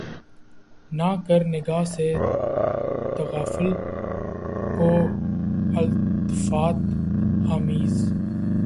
نہ کر نگہ سے تغافل کو التفات آمیز